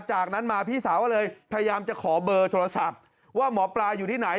จากนั้นมาพี่สาวก็เลยพยายามจะขอเบอร์โทรศัพท์ว่าหมอปลาอยู่ที่ไหน